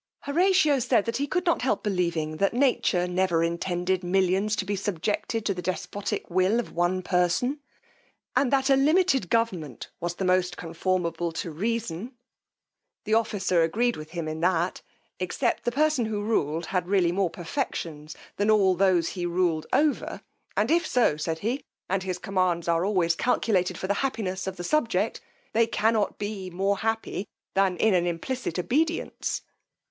Horatio said, that he could not help believing that nature never intended millions to be subjected to the despotic will of one person, and that a limited government was the most conformable to reason. The officer agreed with him in that; except the person who ruled had really more perfections than all those he ruled over and if so, said he, and his commands are always calculated for the happiness of the subject, they cannot be more happy than in an implicite obedience.